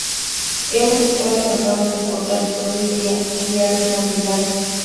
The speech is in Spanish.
Hemos estado tratando de cortar todo el día Guitar Man' de largo.